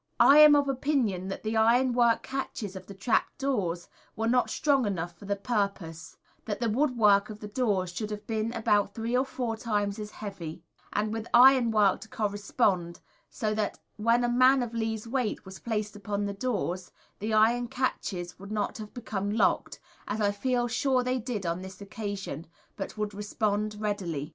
I am of opinion that the ironwork catches of the trap doors were not strong enough for the purpose, that the woodwork of the doors should have been about three or four times as heavy, and with iron work to correspond, so that when a man of Lee's weight was placed upon the doors the iron catches would not have become locked, as I feel sure they did on this occasion, but would respond readily.